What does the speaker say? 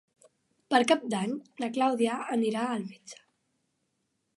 Per Cap d'Any na Clàudia anirà al metge.